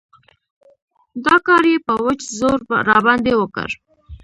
دا کار يې په وچ زور راباندې وکړ.